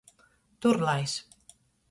Turlais.